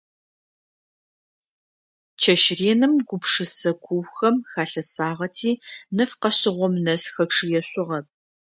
Чэщ реным гупшысэ куухэм халъэсагъэти нэф къэшъыгъом нэс хэчъыешъугъэп.